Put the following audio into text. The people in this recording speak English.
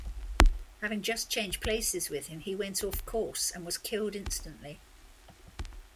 Having just changed places with him, he went off course and was killed instantly.